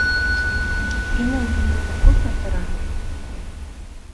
Инеү билеты күпме тора?